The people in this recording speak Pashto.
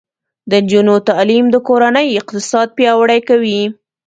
د نجونو تعلیم د کورنۍ اقتصاد پیاوړی کوي.